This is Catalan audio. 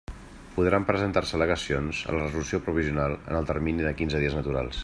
Podran presentar-se al·legacions a la resolució provisional en el termini de quinze dies naturals.